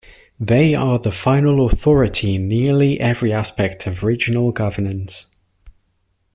They are the final authority in nearly every aspect of regional governance.